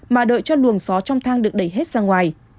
mà đợi cho luồng xó trong thang được đẩy hết sang ngoài